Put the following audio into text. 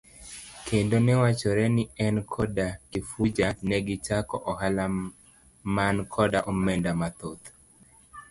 Kendo newachore ni en koda Kifuja negichako ohala man koda omenda mathoth.